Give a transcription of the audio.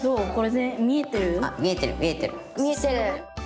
見えてる。